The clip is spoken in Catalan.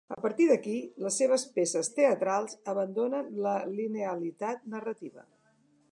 A partir d'aquí, les seves peces teatrals abandonen la linealitat narrativa.